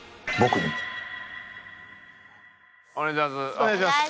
お願いします。